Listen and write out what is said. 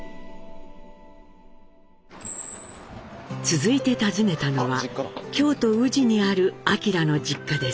続いて訪ねたのは京都・宇治にある明の実家です。